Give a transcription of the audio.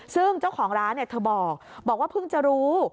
ซึ่งเจ้าของร้านเธอบอกว่าเพิ่งจะรู้